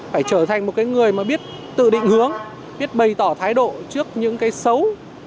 phải trở thành một cái người mà biết tự định hướng biết bày tỏ thái độ trước những cái xấu